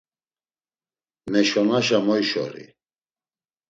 Meşonaşa moyşori!